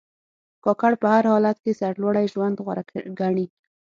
کاکړ په هر حالت کې سرلوړي ژوند غوره ګڼي.